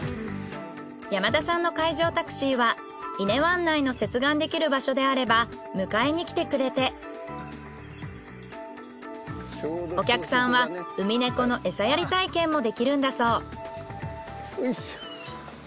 山田さんの海上タクシーは伊根湾内の接岸できる場所であれば迎えに来てくれてお客さんはウミネコのエサやり体験もできるんだそう。